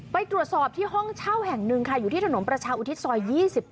ไปตรวจสอบที่ห้องเช่าแห่งหนึ่งค่ะอยู่ที่ถนนประชาอุทิศซอย๒๘